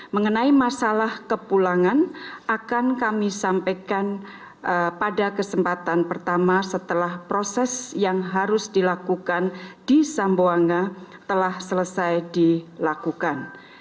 mengenai masalah kepulangan akan kami sampaikan pada kesempatan pertama setelah proses yang harus dilakukan di samboanga telah selesai dilakukan